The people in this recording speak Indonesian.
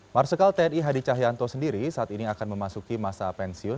marsikal tni hadi cahyanto sendiri saat ini akan memasuki masa pensiun